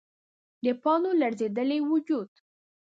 د پاڼو لړزیدلی وجود